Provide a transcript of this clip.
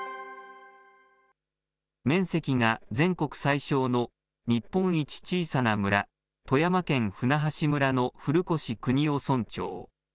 面積が全国最小の日本一小さな村、富山県舟橋村の古越邦男村長。